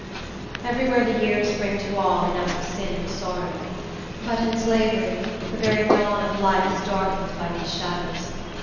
Every where the years bring to all enough of sin and sorrow; but in slavery the very dawn of life is darkened by these shadows.